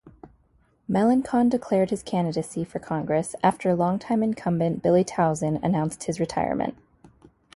Melancon declared his candidacy for Congress after longtime incumbent Billy Tauzin announced his retirement.